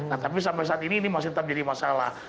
nah tapi sampai saat ini ini masih tetap jadi masalah